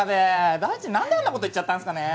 大臣何であんなこと言っちゃったんすかね。